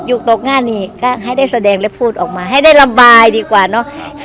อยู่ตรงงานนี่ค่ะให้ได้แสดงแล้วพูดออกมาให้ได้ลำบายดีกว่าเนอะ